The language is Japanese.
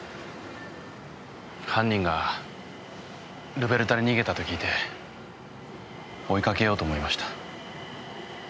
犯人がルベルタに逃げたと聞いて追いかけようと思いました。